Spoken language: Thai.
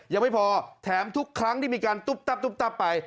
ยังไม่พอแถมทุกครั้งที่มีการตุ๊บตับตุ๊บตับไป